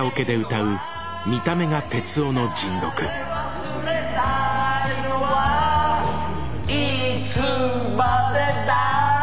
「忘れたいのはいつまでだ？」